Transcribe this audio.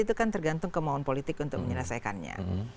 itu kan tergantung kemohon politik untuk menyelesaikannya